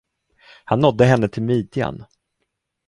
Han nådde henne till midjan.